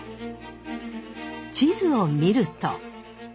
地図を見ると。